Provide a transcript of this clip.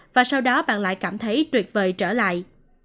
và sau đó bạn lại cảm thấy tuyệt vời trở lại